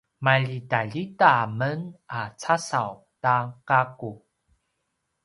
maljitaljita men a casaw ta gaku